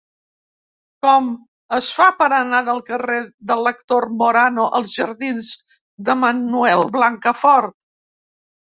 Com es fa per anar del carrer de l'Actor Morano als jardins de Manuel Blancafort?